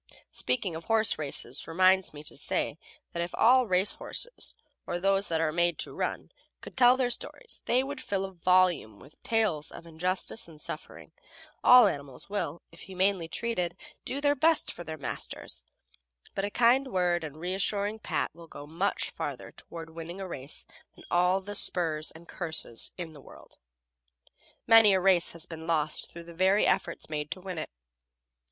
Speaking of horse races reminds me to say that if all race horses, or those that are made to run, could tell their stories they would fill volumes with tales of injustice and suffering. All animals will, if humanely treated, do their best for their masters; but a kind word and reassuring pat will go much further toward winning a race than all the spurs and curses in the world. Many a race has been lost through the very efforts made to win it.